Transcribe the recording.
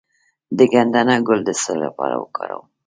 د ګندنه ګل د څه لپاره وکاروم؟